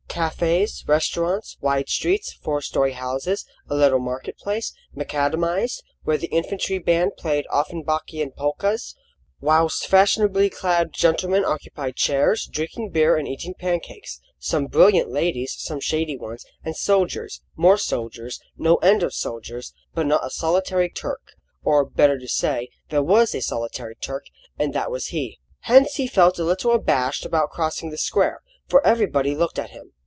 Cafes, restaurants, wide streets, four storey houses, a little market place, macadamised, where the infantry band played Offenbachian polkas, whilst fashionably clad gentlemen occupied chairs, drinking beer and eating pancakes, some brilliant ladies, some shady ones, and soldiers more soldiers no end of soldiers, but not a solitary Turk, or, better to say, there was a solitary Turk, and that was he. Hence he felt a little abashed about crossing the square, for everybody looked at him.